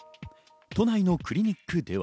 都内のクリニックでは。